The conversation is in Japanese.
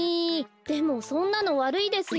でもそんなのわるいですよ。